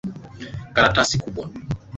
Karatasi kubwa.